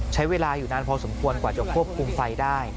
ใช้เวลาอยู่นานพอสมควรกว่าจะควบคุมไฟได้